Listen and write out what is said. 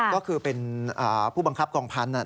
ก็คือเป็นผู้บังคับกองพันธุ์